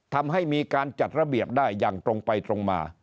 ทำให้มีการจัดระเบียบได้อย่างตรงไปตรงมา